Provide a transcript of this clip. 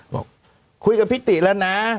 บอกคุยกับพิธีแล้วนะ